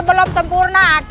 belum sempurna kak